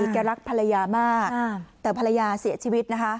แกรักภรรยามากแต่ภรรยาเสียชีวิตนะคะ